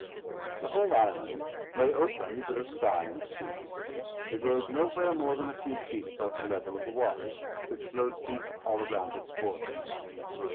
The whole island lay open to the sky and sea. It rose nowhere more than a few feet above the level of the waters, which flowed deep all around its border.